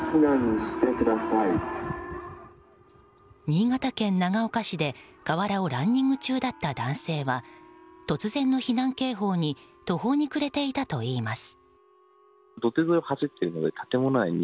新潟県長岡市で河原をランニング中だった男性は突然の避難警報に途方に暮れていたといいます。